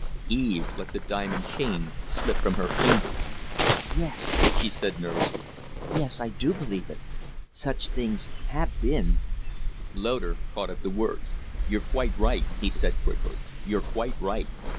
Eve let the diamond chain slip from her fingers. "Yes," she said, nervously. "Yes, I do believe it. Such things have been " Loder caught at the words. "You're quite right," he said, quickly. "You're quite right.